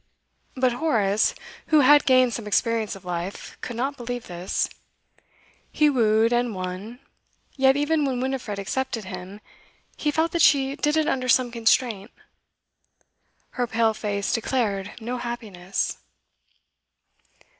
But Horace, who had gained some experience of life, could not believe this. He wooed, and won; yet even when Winifred accepted him, he felt that she did it under some constraint. Her pale face declared no happiness.